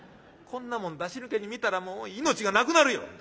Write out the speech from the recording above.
こんなもん出し抜けに見たらもう命がなくなるよ